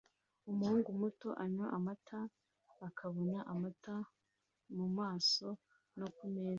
Umuhungu muto anywa amata akabona amata mumaso no kumeza